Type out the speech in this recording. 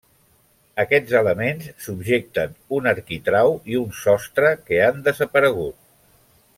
Aquests elements subjecten un arquitrau i un sostre que han desaparegut.